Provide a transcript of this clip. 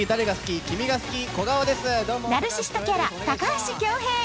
ナルシストキャラ、高橋恭平。